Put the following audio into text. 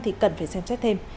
thì cần phải xem xét thêm